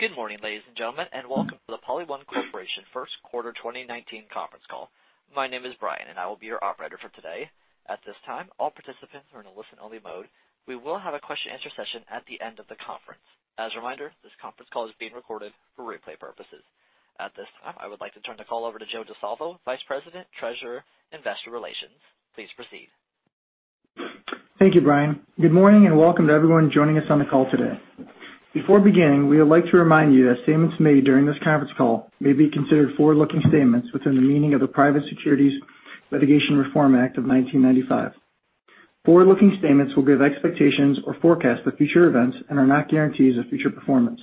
Good morning, ladies and gentlemen, welcome to the PolyOne Corporation First Quarter 2019 Conference Call. My name is Brian, and I will be your Operator for today. At this time, all participants are in a listen-only mode. We will have a question answer session at the end of the conference. As a reminder, this conference call is being recorded for replay purposes. At this time, I would like to turn the call over to Joe Di Salvo, Vice President, Treasurer, Investor Relations. Please proceed. Thank you, Brian. Good morning and welcome to everyone joining us on the call today. Before beginning, we would like to remind you that statements made during this conference call may be considered forward-looking statements within the meaning of the Private Securities Litigation Reform Act of 1995. Forward-looking statements will give expectations or forecasts for future events and are not guarantees of future performance.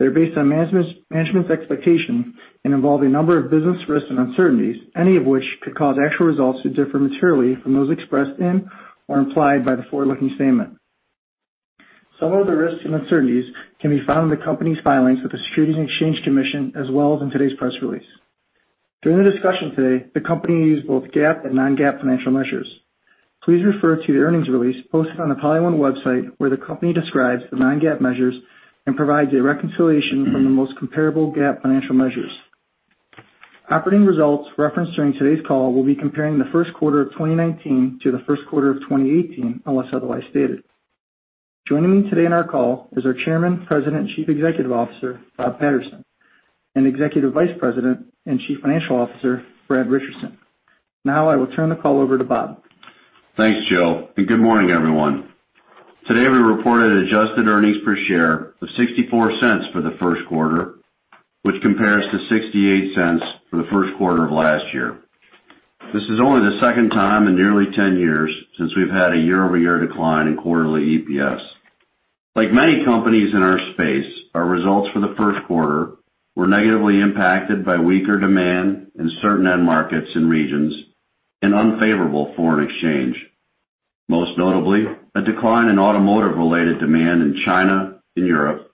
They are based on management's expectation and involve a number of business risks and uncertainties, any of which could cause actual results to differ materially from those expressed in or implied by the forward-looking statement. Some of the risks and uncertainties can be found in the company's filings with the Securities and Exchange Commission, as well as in today's press release. During the discussion today, the company used both GAAP and non-GAAP financial measures. Please refer to the earnings release posted on the polyone website, where the company describes the non-GAAP measures and provides a reconciliation from the most comparable GAAP financial measures. Operating results referenced during today's call will be comparing the first quarter of 2019 to the first quarter of 2018, unless otherwise stated. Joining me today on our call is our Chairman, President, Chief Executive Officer, Bob Patterson, and Executive Vice President and Chief Financial Officer, Brad Richardson. I will turn the call over to Bob. Thanks, Joe. Good morning, everyone. Today, we reported adjusted earnings per share of $0.64 for the first quarter, which compares to $0.68 for the first quarter of last year. This is only the second time in nearly 10 years since we've had a year-over-year decline in quarterly EPS. Like many companies in our space, our results for the first quarter were negatively impacted by weaker demand in certain end markets and regions and unfavorable foreign exchange. Most notably, a decline in automotive-related demand in China and Europe,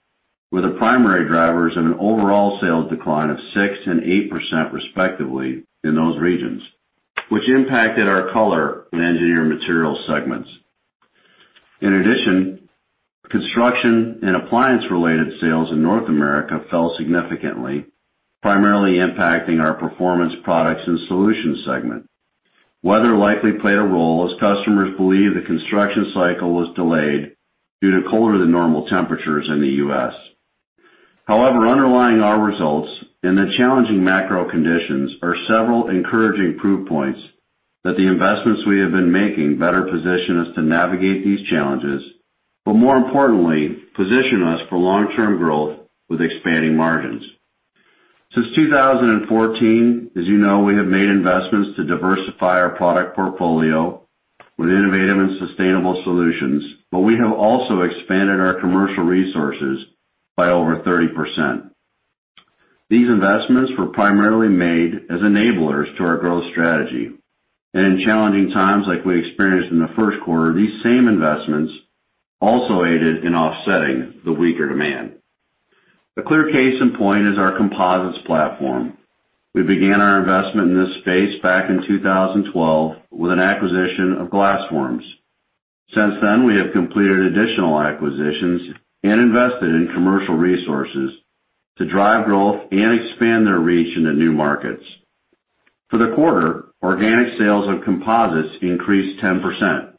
were the primary drivers in an overall sales decline of 6% and 8% respectively in those regions, which impacted our Color and Engineered Materials segments. In addition, construction and appliance-related sales in North America fell significantly, primarily impacting our Performance Products and Solutions segment. Weather likely played a role as customers believe the construction cycle was delayed due to colder than normal temperatures in the U.S. However, underlying our results in the challenging macro conditions are several encouraging proof points that the investments we have been making better position us to navigate these challenges, but more importantly, position us for long-term growth with expanding margins. Since 2014, as you know, we have made investments to diversify our product portfolio with innovative and sustainable solutions, but we have also expanded our commercial resources by over 30%. These investments were primarily made as enablers to our growth strategy. In challenging times like we experienced in the first quarter, these same investments also aided in offsetting the weaker demand. The clear case in point is our composites platform. We began our investment in this space back in 2012 with an acquisition of Glasforms. Since then, we have completed additional acquisitions and invested in commercial resources to drive growth and expand their reach into new markets. For the quarter, organic sales of composites increased 10%.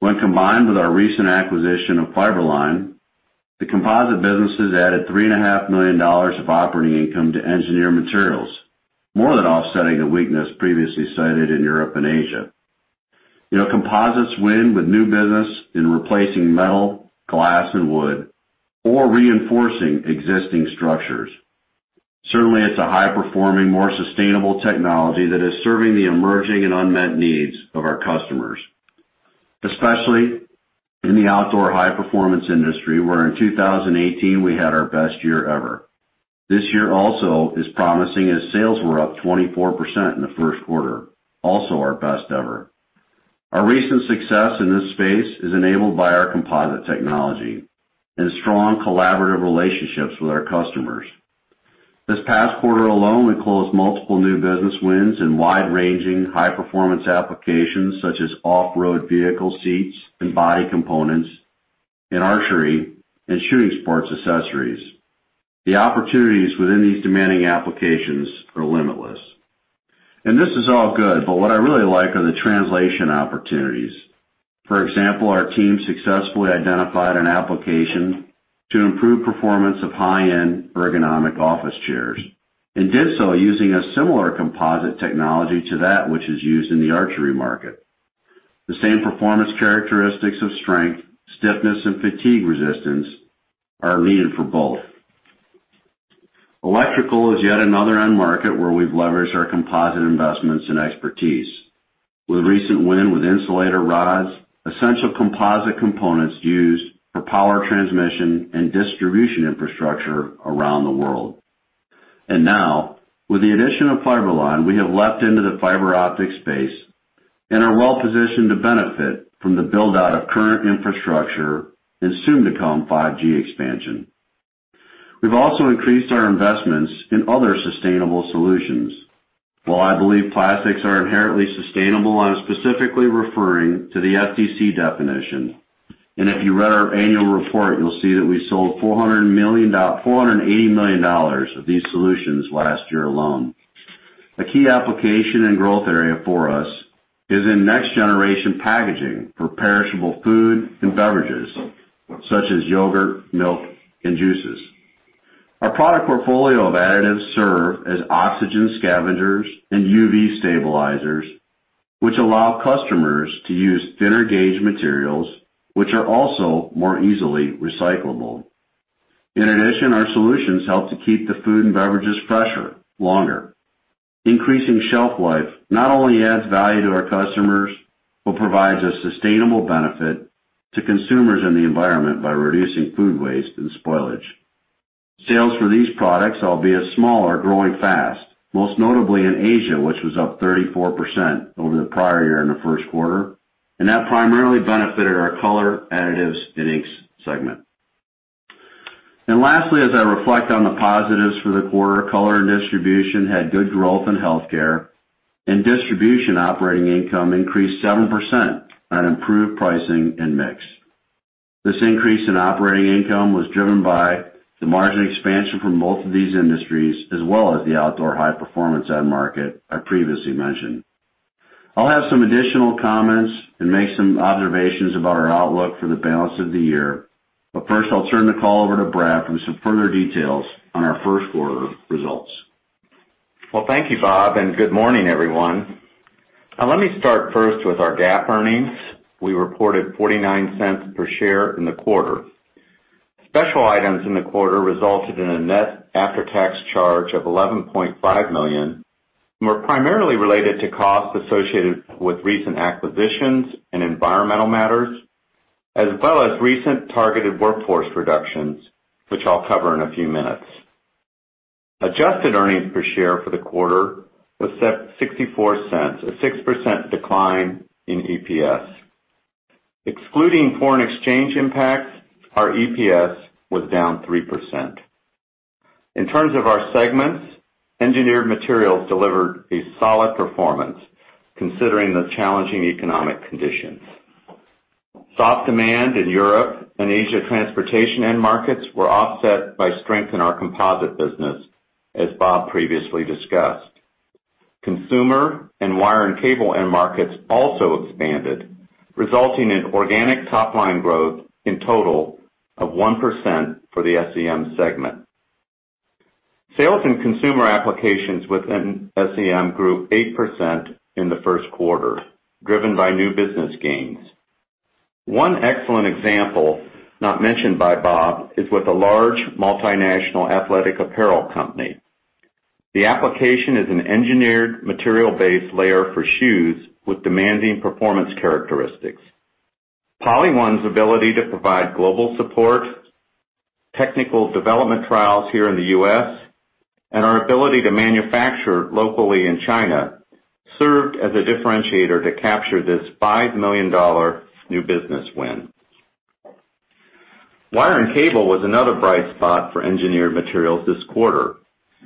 When combined with our recent acquisition of Fiber-Line, the composite businesses added $3.5 million of operating income to Engineered Materials, more than offsetting the weakness previously cited in Europe and Asia. Composites win with new business in replacing metal, glass, and wood or reinforcing existing structures. Certainly, it's a high-performing, more sustainable technology that is serving the emerging and unmet needs of our customers, especially in the outdoor high-performance industry, where in 2018, we had our best year ever. This year also is promising as sales were up 24% in the first quarter, also our best ever. Our recent success in this space is enabled by our composite technology and strong collaborative relationships with our customers. This past quarter alone, we closed multiple new business wins in wide-ranging high-performance applications such as off-road vehicle seats and body components in archery and shooting sports accessories. The opportunities within these demanding applications are limitless. This is all good, but what I really like are the translation opportunities. For example, our team successfully identified an application to improve performance of high-end ergonomic office chairs, and did so using a similar composite technology to that which is used in the archery market. The same performance characteristics of strength, stiffness, and fatigue resistance are needed for both. Electrical is yet another end market where we've leveraged our composite investments and expertise. With a recent win with insulator rods, essential composite components used for power transmission and distribution infrastructure around the world. Now, with the addition of Fiber-Line, we have leapt into the fiber optic space and are well positioned to benefit from the build-out of current infrastructure and soon-to-come 5G expansion. We've also increased our investments in other sustainable solutions. While I believe plastics are inherently sustainable, I'm specifically referring to the FTC definition. If you read our annual report, you'll see that we sold $480 million of these solutions last year alone. A key application and growth area for us is in next generation packaging for perishable food and beverages, such as yogurt, milk, and juices. Our product portfolio of additives serve as oxygen scavengers and UV stabilizers, which allow customers to use thinner gauge materials, which are also more easily recyclable. In addition, our solutions help to keep the food and beverages fresher longer. Increasing shelf life not only adds value to our customers, but provides a sustainable benefit to consumers and the environment by reducing food waste and spoilage. Sales for these products, albeit smaller, are growing fast, most notably in Asia, which was up 34% over the prior year in the first quarter. That primarily benefited our Color, Additives and Inks segment. Lastly, as I reflect on the positives for the quarter, Color and Distribution had good growth in healthcare. Distribution operating income increased 7% on improved pricing and mix. This increase in operating income was driven by the margin expansion from both of these industries, as well as the outdoor high performance end market I previously mentioned. I'll have some additional comments and make some observations about our outlook for the balance of the year, but first I'll turn the call over to Brad for some further details on our first quarter results. Well, thank you, Bob, and good morning, everyone. Let me start first with our GAAP earnings. We reported $0.49 per share in the quarter. Special items in the quarter resulted in a net after-tax charge of $11.5 million. Were primarily related to costs associated with recent acquisitions and environmental matters, as well as recent targeted workforce reductions, which I'll cover in a few minutes. Adjusted earnings per share for the quarter was $0.64, a 6% decline in EPS. Excluding foreign exchange impacts, our EPS was down 3%. In terms of our segments, Engineered Materials delivered a solid performance considering the challenging economic conditions. Soft demand in Europe and Asia transportation end markets were offset by strength in our composite business, as Bob previously discussed. Consumer and wire and cable end markets also expanded, resulting in organic top line growth in total of 1% for the SEM segment. Sales in consumer applications within SEM grew 8% in the first quarter, driven by new business gains. One excellent example not mentioned by Bob is with a large multinational athletic apparel company. The application is an engineered material base layer for shoes with demanding performance characteristics. PolyOne's ability to provide global support, technical development trials here in the U.S. Our ability to manufacture locally in China served as a differentiator to capture this $5 million new business win. Wire and cable was another bright spot for Engineered Materials this quarter,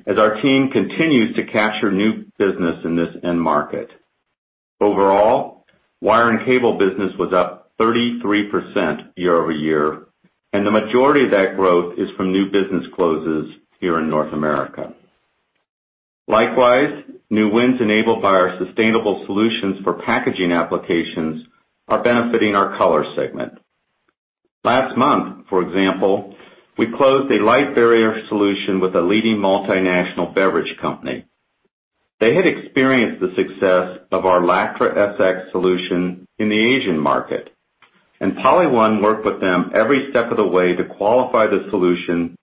as our team continues to capture new business in this end market. Overall, wire and cable business was up 33% year-over-year. The majority of that growth is from new business closes here in North America. Likewise, new wins enabled by our sustainable solutions for packaging applications are benefiting our Color segment. Last month, for example, we closed a light barrier solution with a leading multinational beverage company. They had experienced the success of our Lactra SX solution in the Asian market. PolyOne worked with them every step of the way to qualify the solution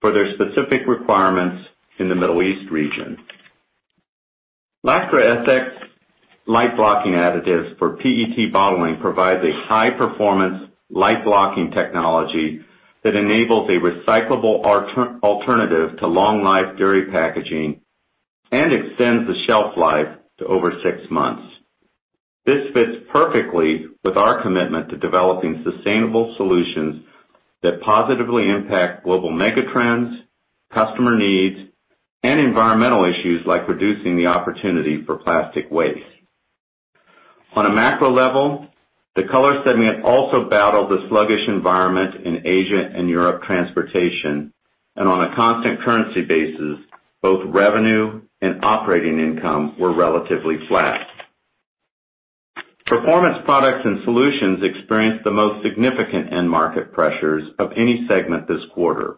for their specific requirements in the Middle East region. Lactra SX light blocking additives for PET bottling provides a high performance light blocking technology that enables a recyclable alternative to long life dairy packaging and extends the shelf life to over six months. This fits perfectly with our commitment to developing sustainable solutions that positively impact global mega trends, customer needs, and environmental issues like reducing the opportunity for plastic waste. On a macro level, the Color segment also battled the sluggish environment in Asia and Europe transportation. On a constant currency basis, both revenue and operating income were relatively flat. Performance Products and Solutions experienced the most significant end market pressures of any segment this quarter.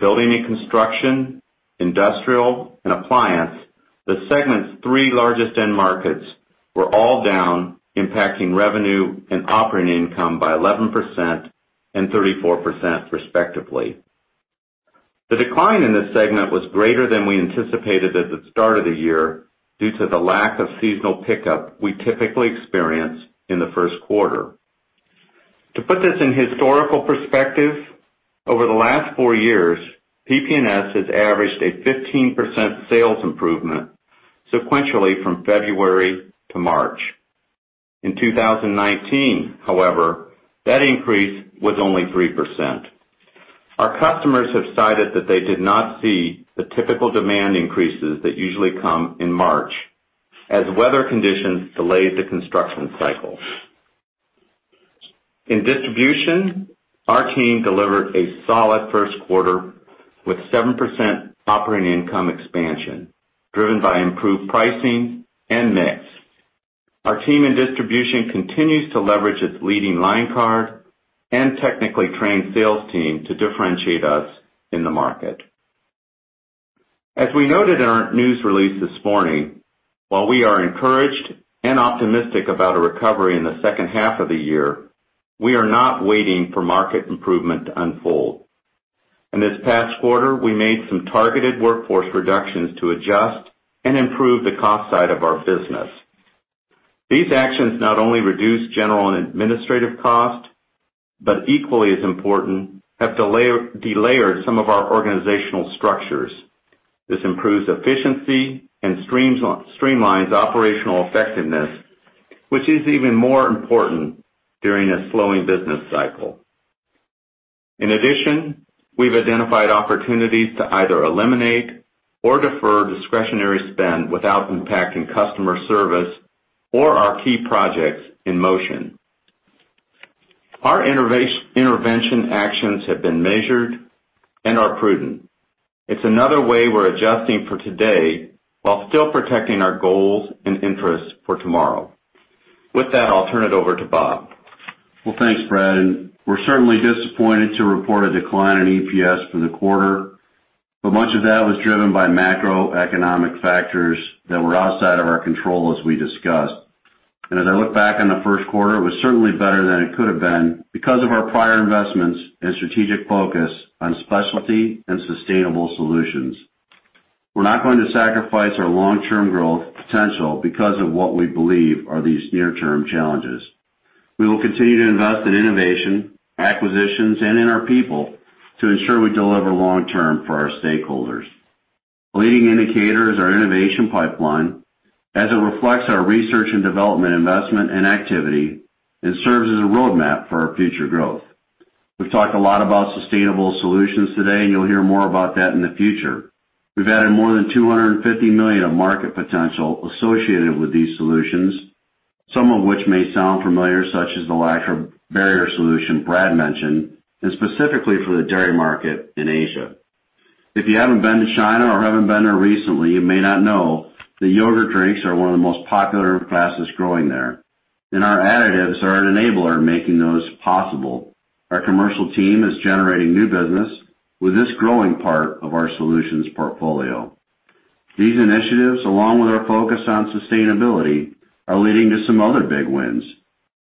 Building and construction, industrial, and appliance, the segment's 3 largest end markets, were all down, impacting revenue and operating income by 11% and 34% respectively. The decline in this segment was greater than we anticipated at the start of the year due to the lack of seasonal pickup we typically experience in the first quarter. To put this in historical perspective, over the last four years, PP&S has averaged a 15% sales improvement sequentially from February to March. In 2019, however, that increase was only 3%. Our customers have cited that they did not see the typical demand increases that usually come in March, as weather conditions delayed the construction cycle. In Distribution, our team delivered a solid first quarter with 7% operating income expansion, driven by improved pricing and mix. Our team in Distribution continues to leverage its leading line card and technically trained sales team to differentiate us in the market. As we noted in our news release this morning, while we are encouraged and optimistic about a recovery in the second half of the year, we are not waiting for market improvement to unfold. In this past quarter, we made some targeted workforce reductions to adjust and improve the cost side of our business. These actions not only reduced general and administrative cost, but equally as important, have delayered some of our organizational structures. This improves efficiency and streamlines operational effectiveness, which is even more important during a slowing business cycle. In addition, we've identified opportunities to either eliminate or defer discretionary spend without impacting customer service or our key projects in motion. Our intervention actions have been measured and are prudent. It's another way we're adjusting for today while still protecting our goals and interests for tomorrow. With that, I'll turn it over to Bob. Well, thanks, Brad. We're certainly disappointed to report a decline in EPS for the quarter. Much of that was driven by macroeconomic factors that were outside of our control, as we discussed. As I look back on the first quarter, it was certainly better than it could have been because of our prior investments and strategic focus on specialty and sustainable solutions. We're not going to sacrifice our long-term growth potential because of what we believe are these near-term challenges. We will continue to invest in innovation, acquisitions, and in our people to ensure we deliver long-term for our stakeholders. Leading indicators, our innovation pipeline, as it reflects our research and development investment and activity, and serves as a roadmap for our future growth. We've talked a lot about sustainable solutions today. You'll hear more about that in the future. We've added more than $250 million of market potential associated with these solutions, some of which may sound familiar, such as the Lactra barrier solution Brad mentioned, and specifically for the dairy market in Asia. If you haven't been to China or haven't been there recently, you may not know that yogurt drinks are one of the most popular and fastest-growing there. Our additives are an enabler making those possible. Our commercial team is generating new business with this growing part of our solutions portfolio. These initiatives, along with our focus on sustainability, are leading to some other big wins.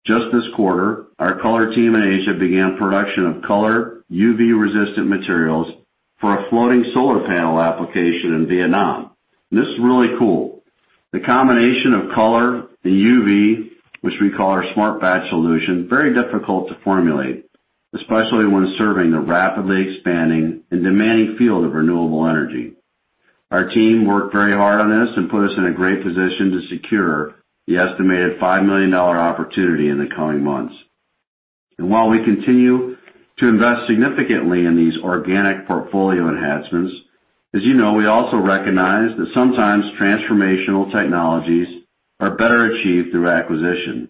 Just this quarter, our color team in Asia began production of color UV-resistant materials for a floating solar panel application in Vietnam. This is really cool. The combination of color and UV, which we call our Smartbatch solution, very difficult to formulate, especially when serving the rapidly expanding and demanding field of renewable energy. Our team worked very hard on this and put us in a great position to secure the estimated $5 million opportunity in the coming months. While we continue to invest significantly in these organic portfolio enhancements, as you know, we also recognize that sometimes transformational technologies are better achieved through acquisition.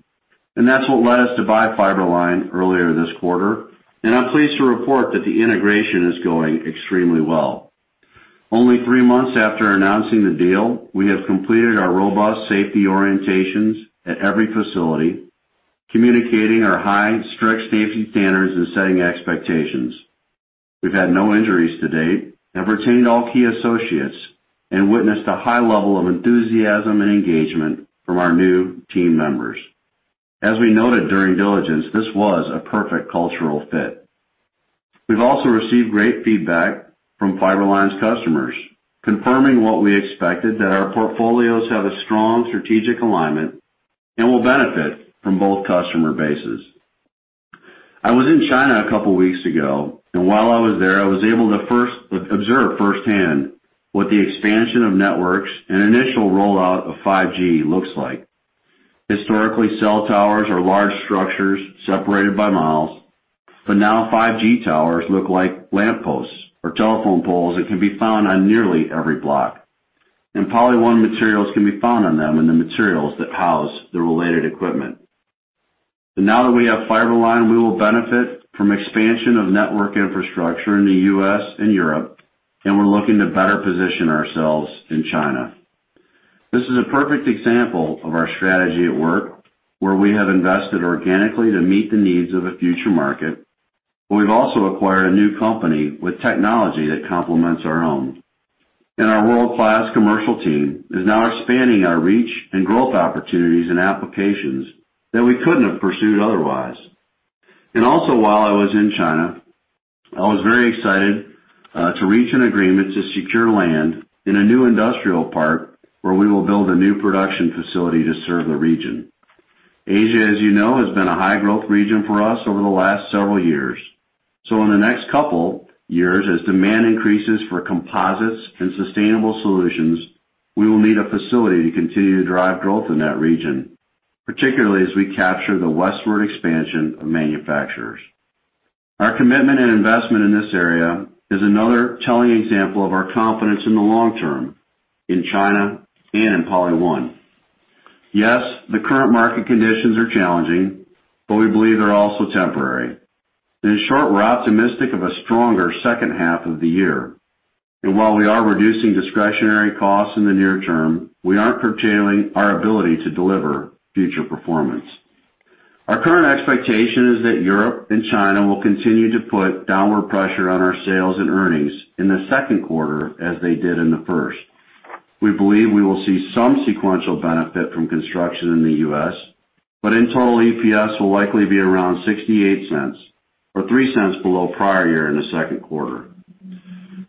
That's what led us to buy Fiber-Line earlier this quarter. I'm pleased to report that the integration is going extremely well. Only three months after announcing the deal, we have completed our robust safety orientations at every facility, communicating our high, strict safety standards and setting expectations. We've had no injuries to date and retained all key associates and witnessed a high level of enthusiasm and engagement from our new team members. As we noted during diligence, this was a perfect cultural fit. We've also received great feedback from Fiber-Line's customers, confirming what we expected, that our portfolios have a strong strategic alignment and will benefit from both customer bases. I was in China a couple of weeks ago. While I was there, I was able to observe firsthand what the expansion of networks and initial rollout of 5G looks like. Historically, cell towers are large structures separated by miles. Now 5G towers look like lampposts or telephone poles that can be found on nearly every block. PolyOne materials can be found on them in the materials that house the related equipment. now that we have Fiber-Line, we will benefit from expansion of network infrastructure in the U.S. and Europe, and we're looking to better position ourselves in China. This is a perfect example of our strategy at work, where we have invested organically to meet the needs of a future market, but we've also acquired a new company with technology that complements our own. Our world-class commercial team is now expanding our reach and growth opportunities in applications that we couldn't have pursued otherwise. Also while I was in China, I was very excited to reach an agreement to secure land in a new industrial park where we will build a new production facility to serve the region. Asia, as you know, has been a high-growth region for us over the last several years. So in the next couple years, as demand increases for composites and sustainable solutions, we will need a facility to continue to drive growth in that region, particularly as we capture the westward expansion of manufacturers. Our commitment and investment in this area is another telling example of our confidence in the long term in China and in PolyOne. Yes, the current market conditions are challenging, we believe they're also temporary. In short, we're optimistic of a stronger second half of the year. While we are reducing discretionary costs in the near term, we aren't curtailing our ability to deliver future performance. Our current expectation is that Europe and China will continue to put downward pressure on our sales and earnings in the second quarter as they did in the first. We believe we will see some sequential benefit from construction in the U.S., but in total, EPS will likely be around $0.68 or $0.03 below prior year in the second quarter.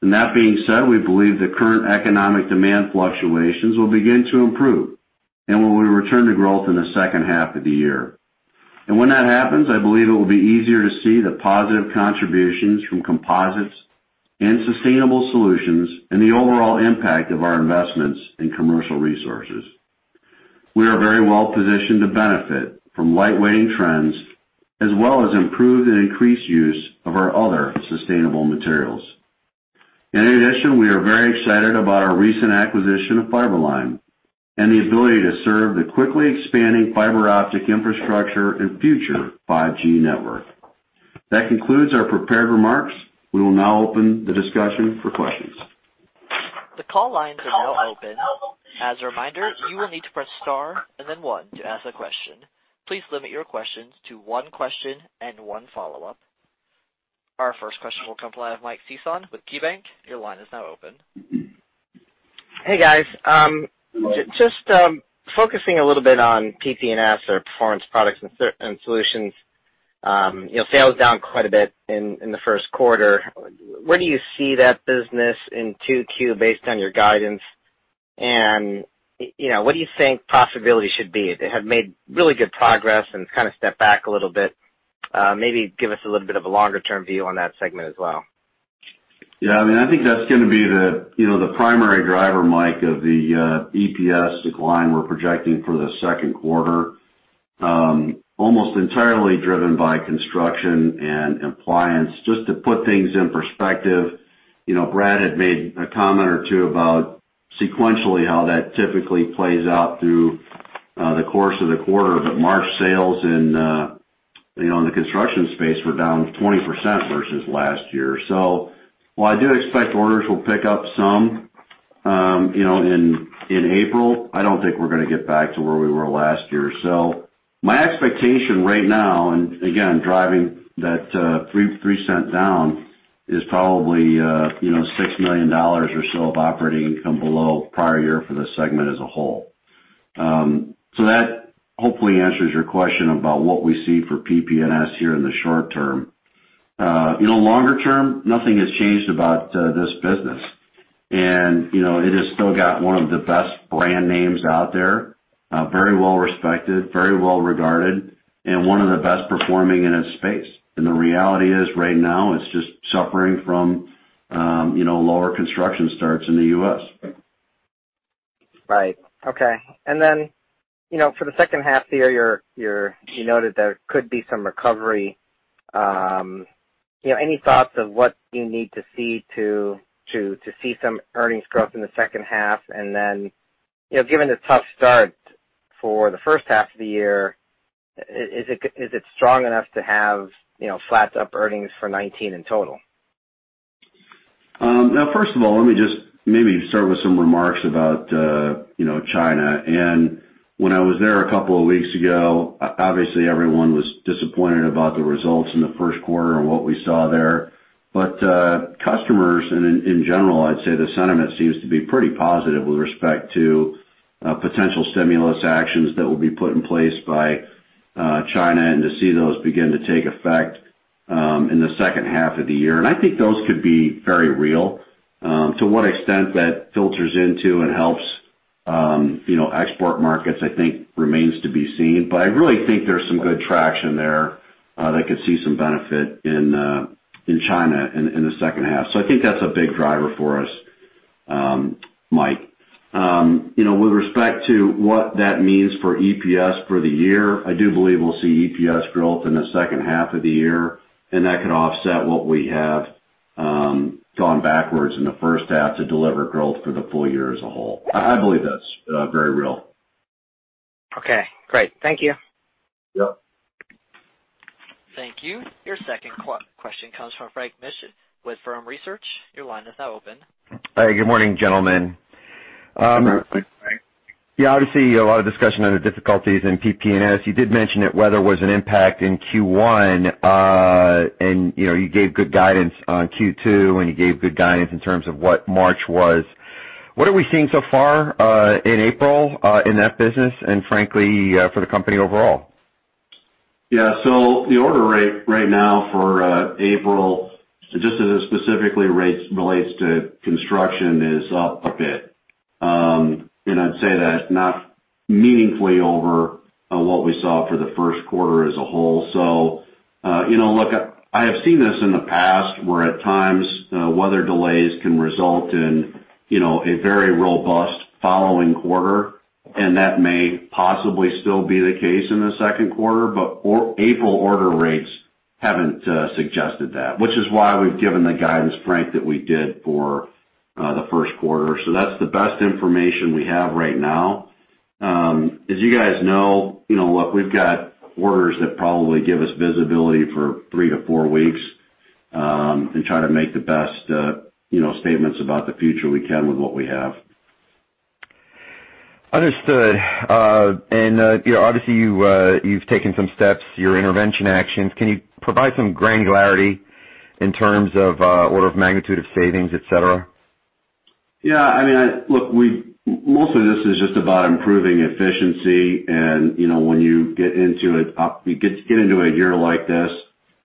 That being said, we believe the current economic demand fluctuations will begin to improve and will return to growth in the second half of the year. When that happens, I believe it will be easier to see the positive contributions from composites and sustainable solutions and the overall impact of our investments in commercial resources. We are very well positioned to benefit from lightweighting trends, as well as improved and increased use of our other sustainable materials. In addition, we are very excited about our recent acquisition of Fiber-Line and the ability to serve the quickly expanding fiber optic infrastructure and future 5G network. That concludes our prepared remarks. We will now open the discussion for questions. The call lines are now open. As a reminder, you will need to press star and then one to ask a question. Please limit your questions to one question and one follow-up. Our first question will come the line of Mike Sison with KeyBanc. Your line is now open. Hey, guys. Just focusing a little bit on PP&S or Performance Products and Solutions. Sales down quite a bit in the first quarter. Where do you see that business in 2Q based on your guidance? And what do you think profitability should be? They have made really good progress and kind of stepped back a little bit. Maybe give us a little bit of a longer-term view on that segment as well. Yeah. I think that's going to be the primary driver, Mike, of the EPS decline we're projecting for the second quarter, almost entirely driven by construction and appliance. Just to put things in perspective, Brad had made a comment or two about sequentially how that typically plays out through the course of the quarter, but March sales in the construction space were down 20% versus last year. While I do expect orders will pick up some in April, I don't think we're going to get back to where we were last year. My expectation right now, and again, driving that $0.03 down is probably $6 million or so of operating income below prior year for this segment as a whole. That hopefully answers your question about what we see for PP&S here in the short term. Longer term, nothing has changed about this business. It has still got one of the best brand names out there, very well respected, very well regarded, and one of the best performing in its space. The reality is right now, it's just suffering from lower construction starts in the U.S. Right. Okay. For the second half of the year, you noted there could be some recovery. Any thoughts of what you need to see to see some earnings growth in the second half? Given the tough start for the first half of the year, is it strong enough to have flat up earnings for 2019 in total? First of all, let me just maybe start with some remarks about China. When I was there a couple of weeks ago, obviously everyone was disappointed about the results in the first quarter and what we saw there. Customers in general, I'd say the sentiment seems to be pretty positive with respect to potential stimulus actions that will be put in place by China and to see those begin to take effect in the second half of the year. I think those could be very real. To what extent that filters into and helps export markets, I think remains to be seen. I really think there's some good traction there that could see some benefit in China in the second half. I think that's a big driver for us, Mike. With respect to what that means for EPS for the year, I do believe we'll see EPS growth in the second half of the year, that could offset what we have gone backwards in the first half to deliver growth for the full year as a whole. I believe that's very real. Okay, great. Thank you. Yep. Thank you. Your second question comes from Frank Mitsch with Fermium Research. Your line is now open. Hey, good morning, gentlemen. Good morning, Frank. Yeah, obviously, a lot of discussion on the difficulties in PP&S. You did mention that weather was an impact in Q1. You gave good guidance on Q2, and you gave good guidance in terms of what March was. What are we seeing so far in April in that business and frankly for the company overall? Yeah. The order rate right now for April, just as it specifically relates to construction, is up a bit. I'd say that it's not meaningfully over what we saw for the first quarter as a whole. Look, I have seen this in the past where, at times, weather delays can result in a very robust following quarter, and that may possibly still be the case in the second quarter. April order rates haven't suggested that, which is why we've given the guidance, Frank, that we did for the first quarter. That's the best information we have right now. As you guys know, we've got orders that probably give us visibility for three to four weeks, and try to make the best statements about the future we can with what we have. Understood. Obviously, you've taken some steps, your intervention actions. Can you provide some granularity in terms of order of magnitude of savings, et cetera? Yeah. Look, most of this is just about improving efficiency. When you get into a year like this,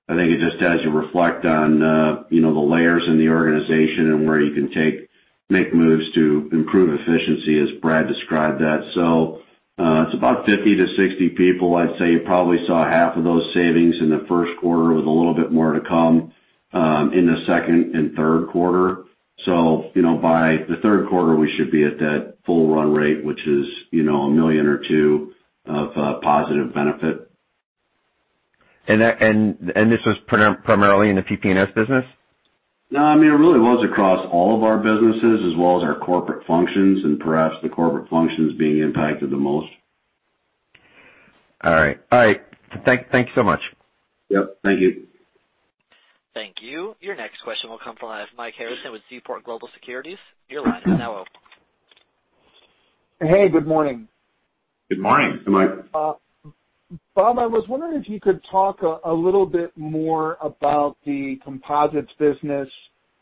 I think it just has you reflect on the layers in the organization and where you can make moves to improve efficiency, as Brad described that. It's about 50 to 60 people. I'd say you probably saw half of those savings in the first quarter, with a little bit more to come in the second and third quarter. By the third quarter, we should be at that full run rate, which is a million or two of positive benefit. This was primarily in the PP&S business? No, it really was across all of our businesses, as well as our corporate functions, and perhaps the corporate functions being impacted the most. All right. Thank you so much. Yep, thank you. Thank you. Your next question will come from the line of Mike Harrison with Seaport Global Securities. Your line is now open. Hey, good morning. Good morning. Bob, I was wondering if you could talk a little bit more about the composites business,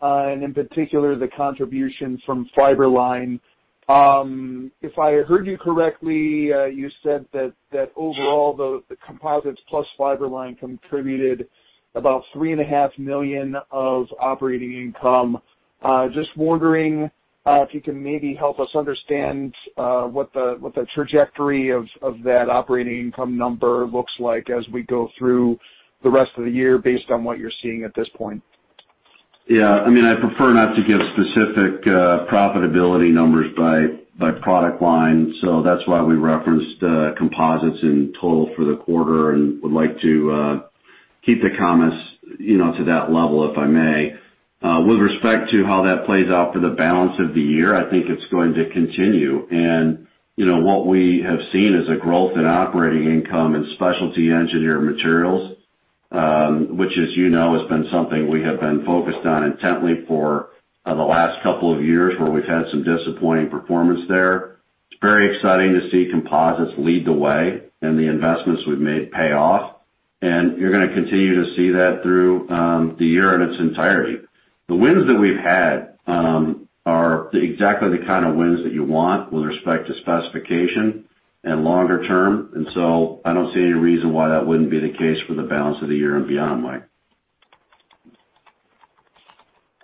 and in particular, the contribution from Fiber-Line. If I heard you correctly, you said that overall, the composites plus Fiber-Line contributed about three and a half million of operating income. Just wondering if you can maybe help us understand what the trajectory of that operating income number looks like as we go through the rest of the year based on what you're seeing at this point. Yeah. I prefer not to give specific profitability numbers by product line. That's why we referenced composites in total for the quarter and would like to keep the comments to that level, if I may. With respect to how that plays out for the balance of the year, I think it's going to continue. What we have seen is a growth in operating income and Specialty Engineered Materials, which as you know, has been something we have been focused on intently for the last couple of years, where we've had some disappointing performance there. It's very exciting to see composites lead the way and the investments we've made pay off. You're going to continue to see that through the year in its entirety. The wins that we've had are exactly the kind of wins that you want with respect to specification and longer term. I don't see any reason why that wouldn't be the case for the balance of the year and beyond, Mike.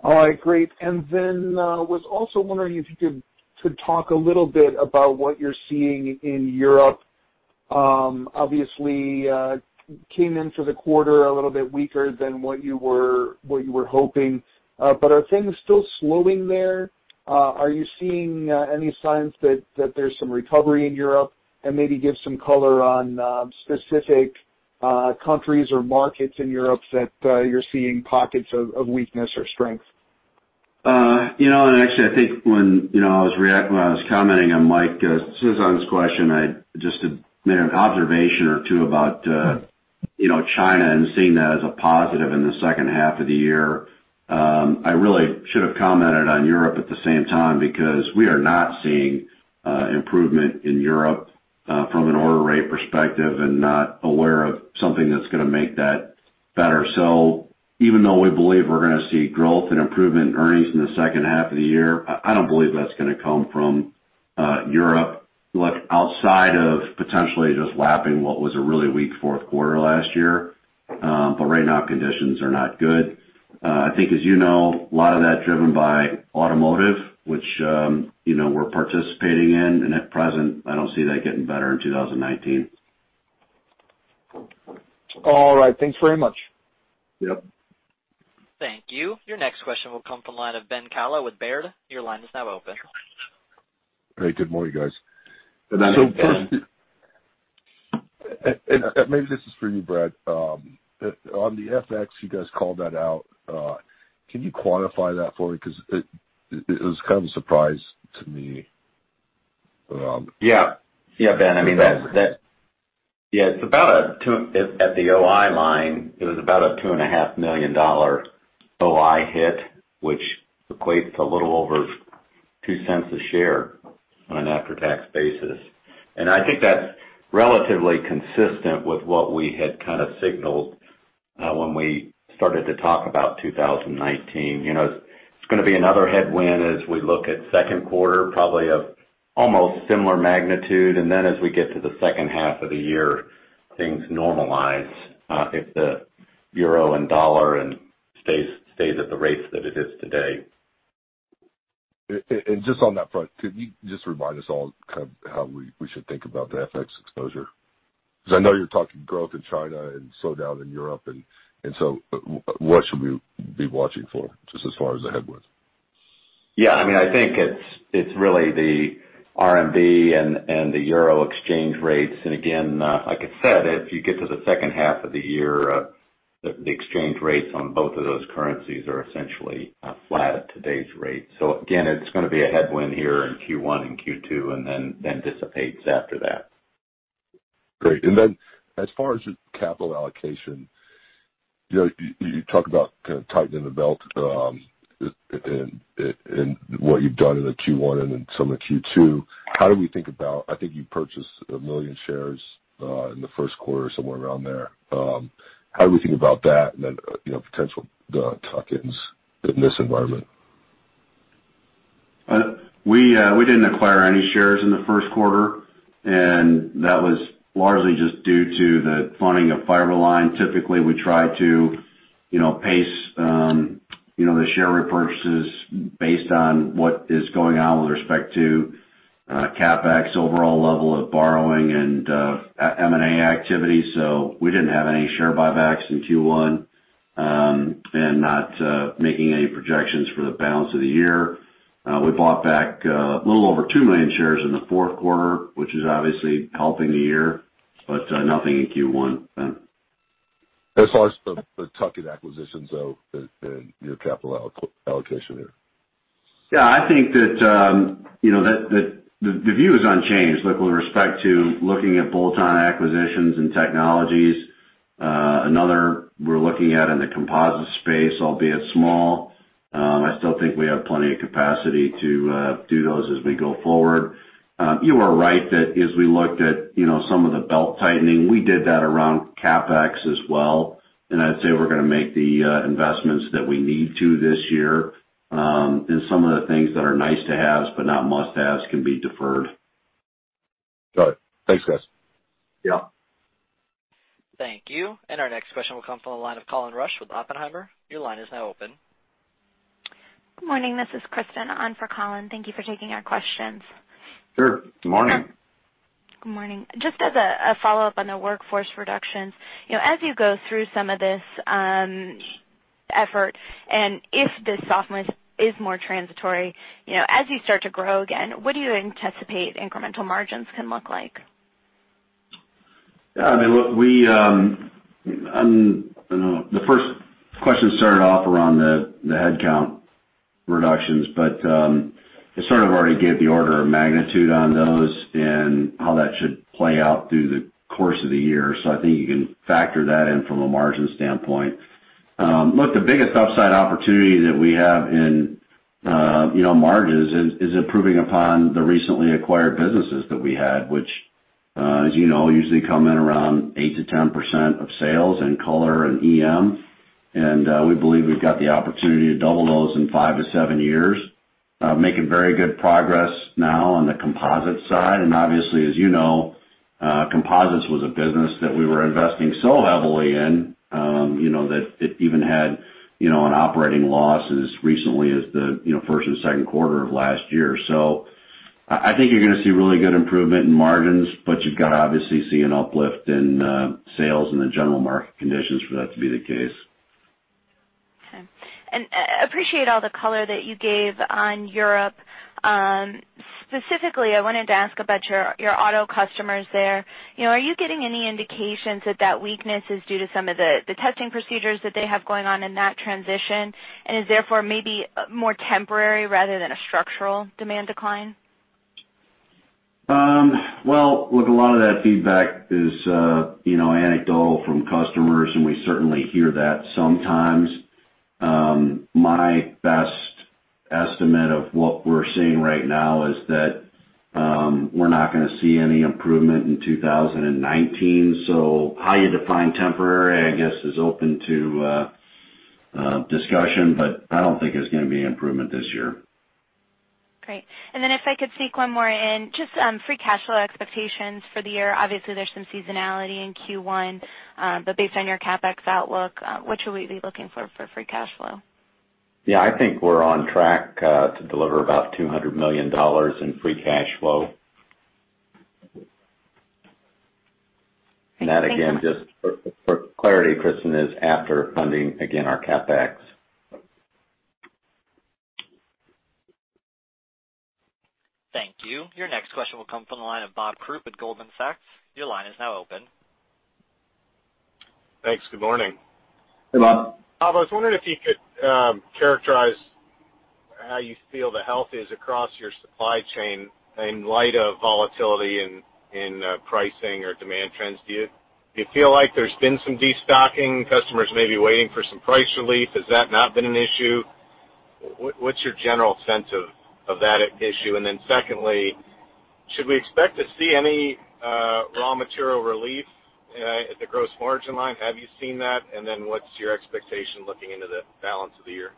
All right, great. Was also wondering if you could talk a little bit about what you're seeing in Europe. Obviously, came into the quarter a little bit weaker than what you were hoping. Are things still slowing there? Are you seeing any signs that there's some recovery in Europe? Maybe give some color on specific countries or markets in Europe that you're seeing pockets of weakness or strength. I think when I was commenting on Mike Sison's question, I just made an observation or two about China and seeing that as a positive in the second half of the year. I really should have commented on Europe at the same time, because we are not seeing improvement in Europe from an order rate perspective, and not aware of something that's going to make that better. Even though we believe we're going to see growth and improvement in earnings in the second half of the year, I don't believe that's going to come from Europe. Look, outside of potentially just lapping what was a really weak fourth quarter last year. Right now, conditions are not good. I think, as you know, a lot of that driven by automotive, which we're participating in, and at present, I don't see that getting better in 2019. All right. Thanks very much. Yep. Thank you. Your next question will come from the line of Ben Kallo with Baird. Your line is now open. Hey, good morning, guys. Good morning, Ben. Maybe this is for you, Brad. On the FX, you guys called that out. Can you quantify that for me? Because it was kind of a surprise to me. Yeah, Ben. At the OI line, it was about a $2.5 million OI hit, which equates to a little over $0.02 a share on an after-tax basis. I think that's relatively consistent with what we had kind of signaled when we started to talk about 2019. It's going to be another headwind as we look at second quarter, probably almost similar magnitude. Then as we get to the second half of the year, things normalize, if the EUR and dollar stays at the rate that it is today. Just on that front, could you just remind us all how we should think about the FX exposure? Because I know you're talking growth in China and slowdown in Europe, what should we be watching for, just as far as the headwinds? Yeah, I think it's really the RMB and the EUR exchange rates. Again, like I said, if you get to the second half of the year, the exchange rates on both of those currencies are essentially flat at today's rate. Again, it's going to be a headwind here in Q1 and Q2, then dissipates after that. Great. Then as far as your capital allocation, you talk about tightening the belt, and what you've done in the Q1 and then some in the Q2. How do we think about, I think you purchased 1 million shares in the first quarter, somewhere around there. How do we think about that then potential tuck-ins in this environment? We didn't acquire any shares in the first quarter. That was largely just due to the funding of Fiber-Line. Typically, we try to pace the share repurchases based on what is going on with respect to CapEx, overall level of borrowing, and M&A activity. We didn't have any share buybacks in Q1. Not making any projections for the balance of the year. We bought back a little over 2 million shares in the fourth quarter, which is obviously helping the year, but nothing in Q1. As far as the tuck-in acquisitions, though, and your capital allocation here. Yeah, I think that the view is unchanged. Look, with respect to looking at bolt-on acquisitions and technologies, another we're looking at in the composite space, albeit small, I still think we have plenty of capacity to do those as we go forward. You are right that as we looked at some of the belt-tightening, we did that around CapEx as well. I'd say we're going to make the investments that we need to this year. Some of the things that are nice to haves, but not must-haves, can be deferred. Got it. Thanks, guys. Yeah. Thank you. Our next question will come from the line of Colin Rusch with Oppenheimer. Your line is now open. Good morning. This is Kristen on for Colin. Thank you for taking our questions. Sure. Good morning. Good morning. Just as a follow-up on the workforce reductions. If this softness is more transitory, as you start to grow again, what do you anticipate incremental margins can look like? The first question started off around the headcount reductions, I sort of already gave the order of magnitude on those and how that should play out through the course of the year. I think you can factor that in from a margin standpoint. Look, the biggest upside opportunity that we have in margins is improving upon the recently acquired businesses that we had, which, as you know, usually come in around 8%-10% of sales in Color and EM. We believe we've got the opportunity to double those in five to seven years. Making very good progress now on the composites side. Obviously, as you know, composites was a business that we were investing so heavily in that it even had an operating loss as recently as the first and second quarter of last year. I think you're going to see really good improvement in margins, you've got to obviously see an uplift in sales and the general market conditions for that to be the case. Okay. Appreciate all the color that you gave on Europe. Specifically, I wanted to ask about your auto customers there. Are you getting any indications that that weakness is due to some of the testing procedures that they have going on in that transition, and is therefore maybe more temporary rather than a structural demand decline? Well, look, a lot of that feedback is anecdotal from customers, we certainly hear that sometimes. My best estimate of what we're seeing right now is that we're not going to see any improvement in 2019. How you define temporary, I guess, is open to discussion, I don't think there's going to be improvement this year. Great. If I could sneak one more in, just free cash flow expectations for the year. Obviously, there's some seasonality in Q1. Based on your CapEx outlook, what should we be looking for for free cash flow? Yeah, I think we're on track to deliver about $200 million in free cash flow. Thank you. That, again, just for clarity, Kristen, is after funding, again, our CapEx. Thank you. Your next question will come from the line of Bob Koort with Goldman Sachs. Your line is now open. Thanks. Good morning. Hey, Bob. Bob, I was wondering if you could characterize how you feel the health is across your supply chain in light of volatility in pricing or demand trends. Do you feel like there's been some de-stocking? Customers may be waiting for some price relief. Has that not been an issue? What's your general sense of that issue? Secondly, should we expect to see any raw material relief at the gross margin line? Have you seen that? What's your expectation looking into the balance of the year?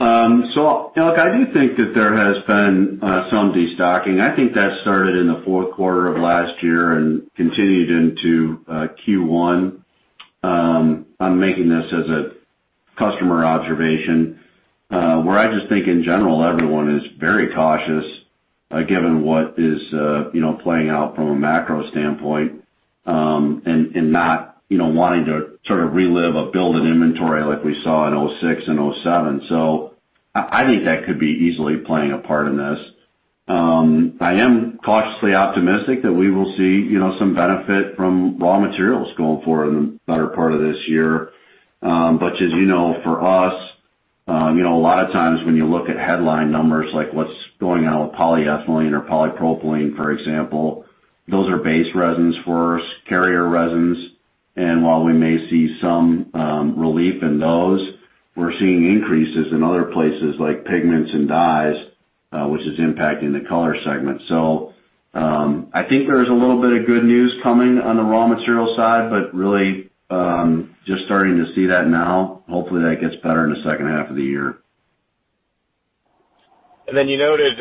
Look, I do think that there has been some destocking. I think that started in the fourth quarter of last year and continued into Q1. I'm making this as a customer observation, where I just think in general, everyone is very cautious given what is playing out from a macro standpoint, and not wanting to sort of relive or build an inventory like we saw in 2006 and 2007. I think that could be easily playing a part in this. I am cautiously optimistic that we will see some benefit from raw materials going forward in the better part of this year. As you know, for us, a lot of times when you look at headline numbers, like what's going on with polyethylene or polypropylene, for example, those are base resins for us, carrier resins. While we may see some relief in those, we're seeing increases in other places like pigments and dyes, which is impacting the color segment. I think there's a little bit of good news coming on the raw material side, but really, just starting to see that now. Hopefully, that gets better in the second half of the year. You noted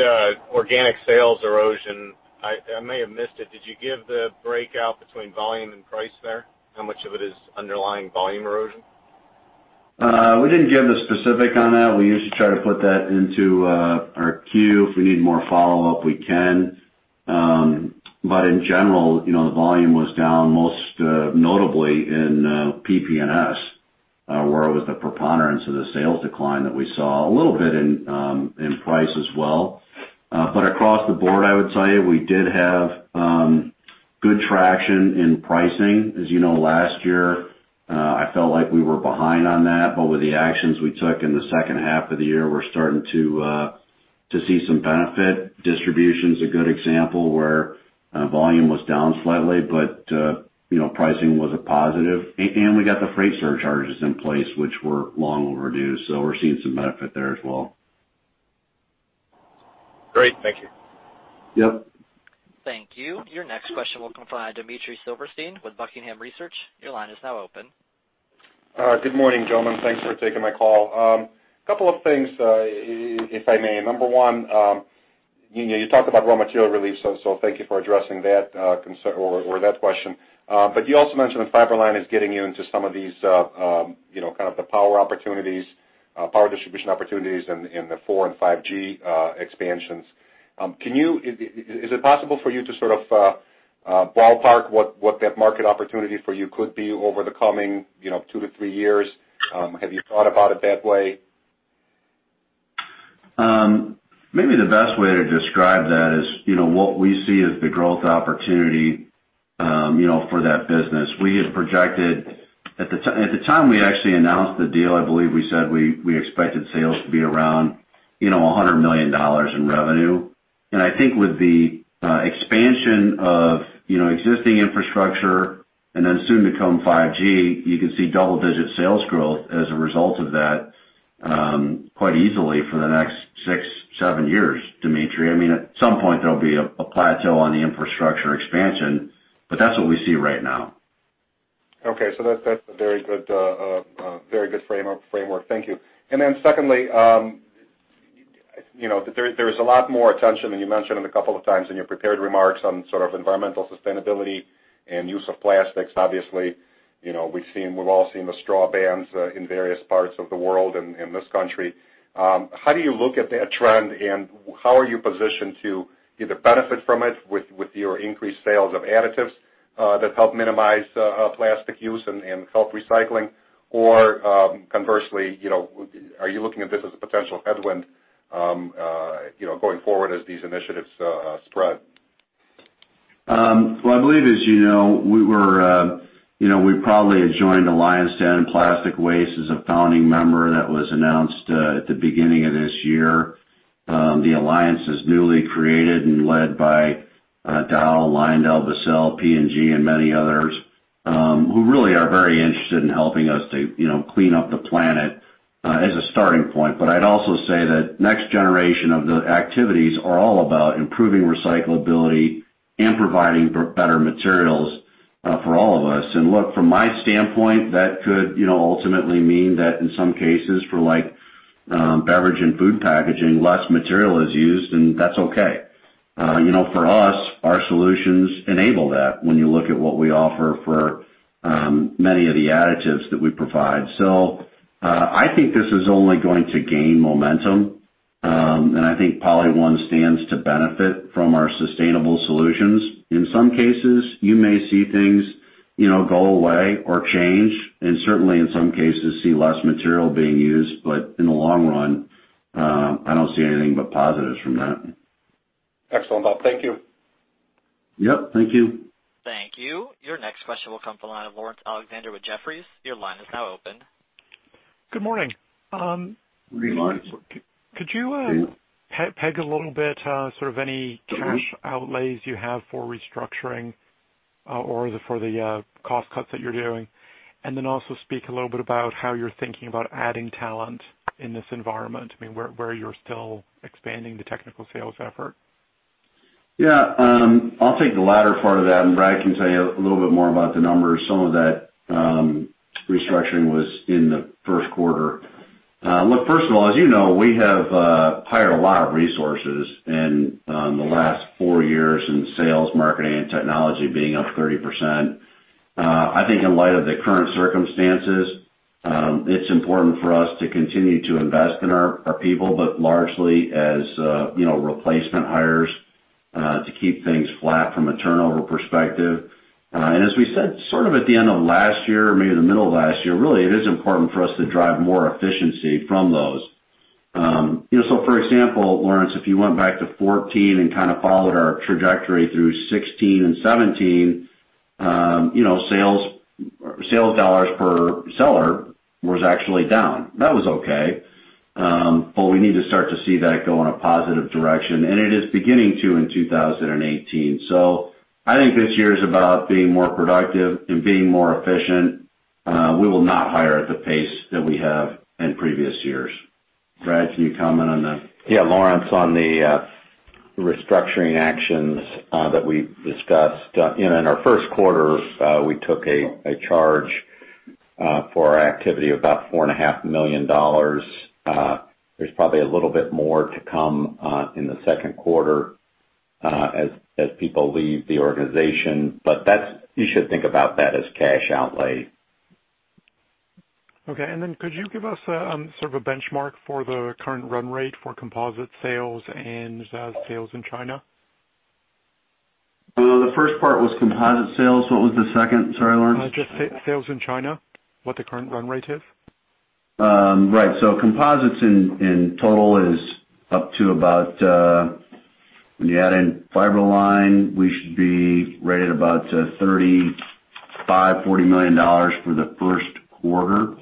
organic sales erosion. I may have missed it. Did you give the breakout between volume and price there? How much of it is underlying volume erosion? We didn't give the specific on that. We usually try to put that into our queue. If we need more follow-up, we can. In general, the volume was down most notably in PP&S, where it was the preponderance of the sales decline that we saw. A little bit in price as well. Across the board, I would say we did have good traction in pricing. As you know, last year, I felt like we were behind on that. With the actions we took in the second half of the year, we're starting to see some benefit. Distribution's a good example where volume was down slightly, but pricing was a positive. We got the freight surcharges in place, which were long overdue. We're seeing some benefit there as well. Great. Thank you. Yep. Thank you. Your next question will come from Dmitry Silverstein with Buckingham Research. Your line is now open. Good morning, gentlemen. Thanks for taking my call. A couple of things, if I may. Number one, you talked about raw material relief, so thank you for addressing that concern or that question. You also mentioned that Fiber-Line is getting you into some of these kind of the power distribution opportunities in the four and 5G expansions. Is it possible for you to sort of ballpark what that market opportunity for you could be over the coming two to three years? Have you thought about it that way? Maybe the best way to describe that is what we see as the growth opportunity for that business. At the time we had actually announced the deal, I believe we said we expected sales to be around $100 million in revenue. I think with the expansion of existing infrastructure and then soon to come 5G, you can see double-digit sales growth as a result of that quite easily for the next six, seven years, Dmitry. I mean, at some point, there'll be a plateau on the infrastructure expansion, that's what we see right now. Okay, that's a very good framework. Thank you. Secondly, there is a lot more attention, and you mentioned it a couple of times in your prepared remarks on sort of environmental sustainability and use of plastics. Obviously, we've all seen the straw bans in various parts of the world and in this country. How do you look at that trend, and how are you positioned to either benefit from it with your increased sales of additives that help minimize plastic use and help recycling? Conversely, are you looking at this as a potential headwind going forward as these initiatives spread? Well, I believe as you know, we probably had joined Alliance to End Plastic Waste as a founding member that was announced at the beginning of this year. The alliance is newly created and led by Dow, LyondellBasell, P&G, and many others, who really are very interested in helping us to clean up the planet as a starting point. I'd also say that next generation of the activities are all about improving recyclability and providing better materials for all of us. Look, from my standpoint, that could ultimately mean that in some cases for like beverage and food packaging, less material is used, and that's okay. For us, our solutions enable that when you look at what we offer for many of the additives that we provide. I think this is only going to gain momentum. I think PolyOne stands to benefit from our sustainable solutions. In some cases, you may see things go away or change, and certainly in some cases, see less material being used. In the long run, I don't see anything but positives from that. Excellent, Bob. Thank you. Yep. Thank you. Thank you. Your next question will come from the line of Laurence Alexander with Jefferies. Your line is now open. Good morning. Good morning. Could you peg a little bit sort of any cash outlays you have for restructuring or for the cost cuts that you're doing? Then also speak a little bit about how you're thinking about adding talent in this environment, where you're still expanding the technical sales effort. Yeah. I'll take the latter part of that, and Brad can tell you a little bit more about the numbers. Some of that restructuring was in the first quarter. Look, first of all, as you know, we have hired a lot of resources in the last four years in sales, marketing, and technology being up 30%. I think in light of the current circumstances, it's important for us to continue to invest in our people, but largely as replacement hires to keep things flat from a turnover perspective. As we said at the end of last year, maybe the middle of last year, really, it is important for us to drive more efficiency from those. For example, Laurence, if you went back to 2014 and followed our trajectory through 2016 and 2017, sales dollars per seller was actually down. That was okay. We need to start to see that go in a positive direction. It is beginning to in 2018. I think this year is about being more productive and being more efficient. We will not hire at the pace that we have in previous years. Brad, can you comment on that? Yeah, Laurence, on the restructuring actions that we discussed. In our first quarter, we took a charge for our activity about $4.5 million. There's probably a little bit more to come in the second quarter as people leave the organization. You should think about that as cash outlay. Could you give us sort of a benchmark for the current run rate for composite sales and sales in China? The first part was composite sales. What was the second? Sorry, Laurence. Just sales in China, what the current run rate is. Right. Composites in total is up to about, when you add in Fiber-Line, we should be right at about $35, $40 million for the first quarter.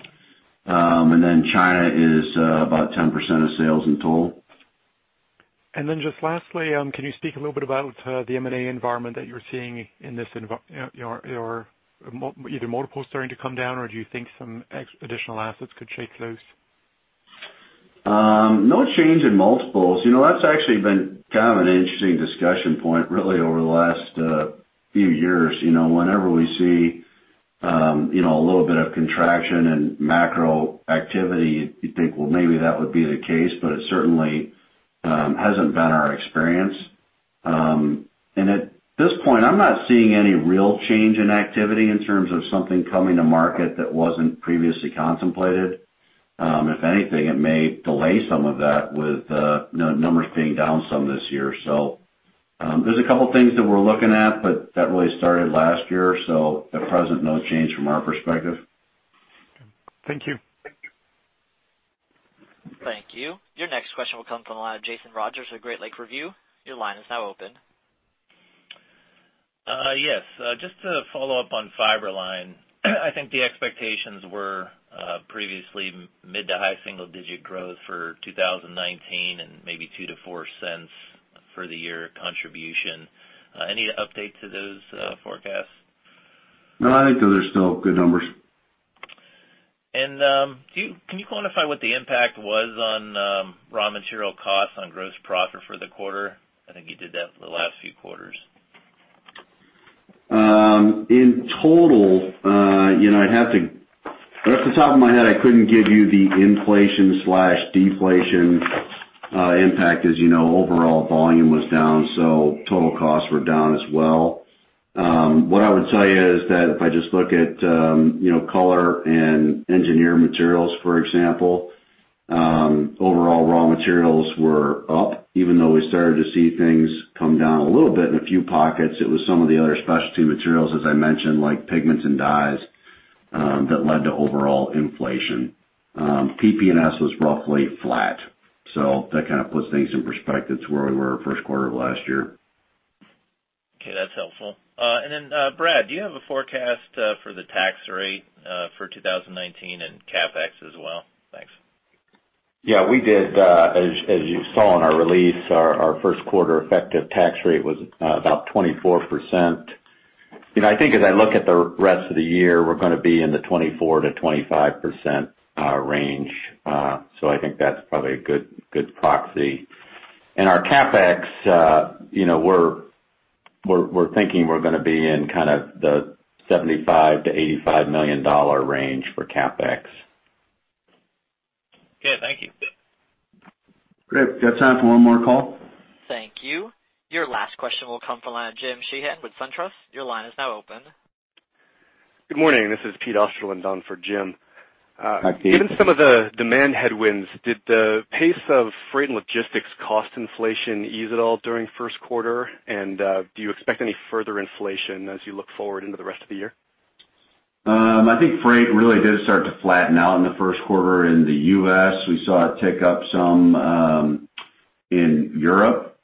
China is about 10% of sales in total. Just lastly, can you speak a little bit about the M&A environment that you're seeing in this, either multiples starting to come down, or do you think some additional assets could shake loose? No change in multiples. That's actually been kind of an interesting discussion point, really over the last few years. Whenever we see a little bit of contraction in macro activity, you'd think, well, maybe that would be the case, but it certainly hasn't been our experience. At this point, I'm not seeing any real change in activity in terms of something coming to market that wasn't previously contemplated. If anything, it may delay some of that with numbers being down some this year. There's a couple things that we're looking at, but that really started last year, at present, no change from our perspective. Thank you. Thank you. Thank you. Your next question will come from the line of Jason Rogers of Great Lakes Review. Your line is now open. Yes. Just to follow up on Fiber-Line, I think the expectations were previously mid to high single-digit growth for 2019 and maybe $0.02-$0.04 for the year contribution. Any update to those forecasts? No, I think those are still good numbers. Can you quantify what the impact was on raw material costs on gross profit for the quarter? I think you did that for the last few quarters. In total, off the top of my head, I couldn't give you the inflation/deflation impact. As you know, overall volume was down, so total costs were down as well. What I would tell you is that if I just look at color and engineered materials, for example, overall raw materials were up, even though we started to see things come down a little bit in a few pockets. It was some of the other specialty materials, as I mentioned, like pigments and dyes, that led to overall inflation. PP&S was roughly flat. That kind of puts things in perspective to where we were first quarter of last year. Okay, that's helpful. Then Brad, do you have a forecast for the tax rate for 2019 and CapEx as well? Thanks. Yeah. We did, as you saw in our release, our first quarter effective tax rate was about 24%. I think as I look at the rest of the year, we're going to be in the 24%-25% range. That's probably a good proxy. Our CapEx, we're thinking we're going to be in kind of the $75 million-$85 million range for CapEx. Okay. Thank you. Great. We've got time for one more call. Thank you. Your last question will come from the line of Jim Sheehan with SunTrust. Your line is now open. Good morning. This is Pete Osterland on for Jim. Hi, Pete. Given some of the demand headwinds, did the pace of freight and logistics cost inflation ease at all during first quarter? Do you expect any further inflation as you look forward into the rest of the year? I think freight really did start to flatten out in the first quarter in the U.S. We saw it tick up some in Europe.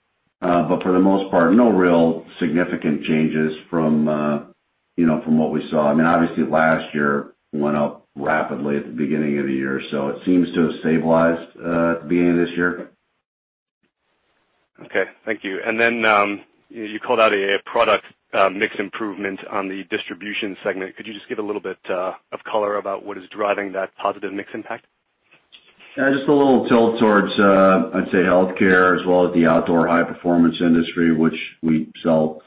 For the most part, no real significant changes from what we saw. Obviously last year went up rapidly at the beginning of the year, it seems to have stabilized at the beginning of this year. Okay. Thank you. You called out a product mix improvement on the Distribution segment. Could you just give a little bit of color about what is driving that positive mix impact? Just a little tilt towards, I'd say healthcare, as well as the outdoor high performance industry, which we sell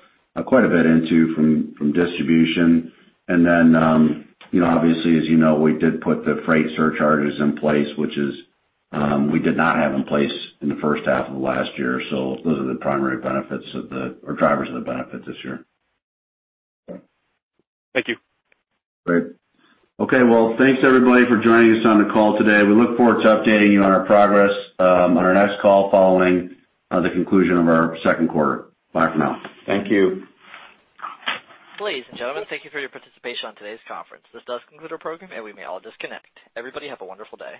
quite a bit into from Distribution. Obviously, as you know, we did put the freight surcharges in place, which we did not have in place in the first half of last year. Those are the primary benefits of the, or drivers of the benefit this year. Thank you. Great. Okay, well, thanks everybody for joining us on the call today. We look forward to updating you on our progress on our next call following the conclusion of our second quarter. Bye for now. Thank you. Ladies and gentlemen, thank you for your participation on today's conference. This does conclude our program. We may all disconnect. Everybody have a wonderful day.